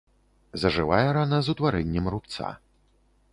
Зажывае рана з утварэннем рубца.